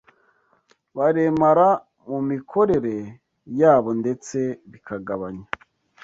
baremara mu mikorere yabo, ndetse bikagabanya